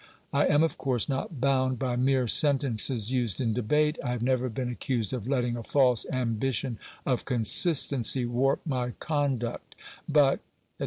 I am of course not bound by mere sentences used in debate; I have never been accused of letting a false ambition of consistency warp my conduct; but," etc.